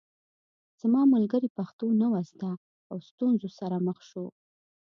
زما ملګري پښتو نه وه زده او ستونزو سره مخ شو